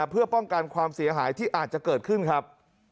เพื่อป้องกันความเสียหายที่อาจจะเกิดขึ้นครับ